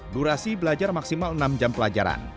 durasi belajar maksimal enam jam pelajaran